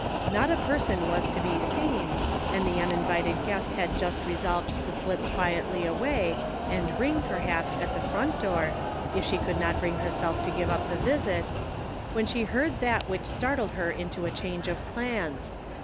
Not a person was to be seen, and the uninvited guest had just resolved to slip quietly away, and ring, perhaps, at the front door, if she could not bring herself to give up the visit, when she heard that which startled her into a change of plans.